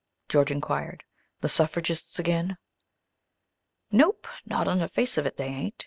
George inquired. "The suffragists again?" "Nope; not on the face of it they ain't.